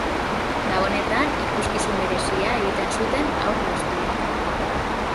Gabonetan ikuskizun berezia egiten zuten haur guztiek.